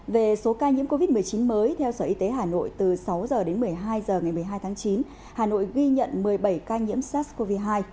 về số ca nhiễm covid một mươi chín mới theo sở y tế hà nội từ sáu h đến một mươi hai h ngày một mươi hai tháng chín hà nội ghi nhận một mươi bảy ca nhiễm sars cov hai